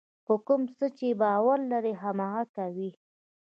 په کوم څه چې باور لرئ هماغه کوئ.